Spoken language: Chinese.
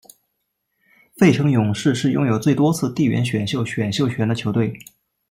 费城勇士是拥有最多次地缘选秀选秀权的球队。